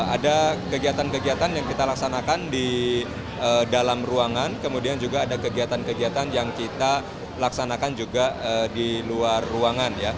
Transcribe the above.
ada kegiatan kegiatan yang kita laksanakan di dalam ruangan kemudian juga ada kegiatan kegiatan yang kita laksanakan juga di luar ruangan